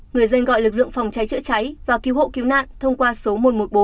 người dân gọi lực lượng phòng cháy chữa cháy và cứu hộ cứu nạn thông qua số một trăm một mươi bốn